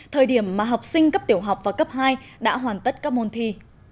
thời điểm mà học sinh cấp tiểu học và cấp hai đã hoàn tất các môn thi